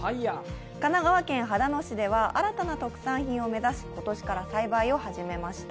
神奈川県秦野市では、新たな特産品を目指し、今年から栽培を始めました。